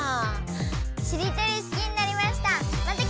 しりとり好きになりました！